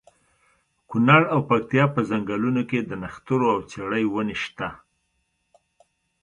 کونړ او پکتیا په ځنګلونو کې د نښترو او څېړۍ ونې شته.